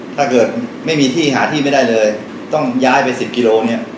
ถ้าเกิดไม่มีที่หาที่ไม่ได้เลยต้องย้ายไปสิบกิโลเนี่ย